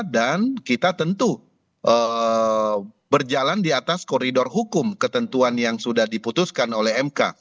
dan kita tentu berjalan di atas koridor hukum ketentuan yang sudah diputuskan oleh mk